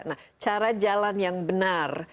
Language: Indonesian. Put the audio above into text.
nah cara jalan yang benar